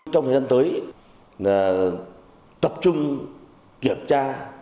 trong thời gian tới tập trung kiểm tra